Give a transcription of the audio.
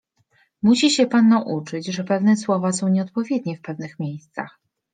Musi się pan nauczyć, że pewne słowa są nieodpowiednie w pewnych miejscach.